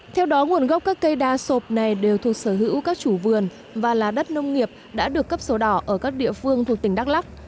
theo đó nguồn gốc các cây đa sộp này đều thuộc sở hữu các chủ vườn và là đất nông nghiệp đã được cấp sổ đỏ ở các địa phương thuộc tỉnh đắk lắc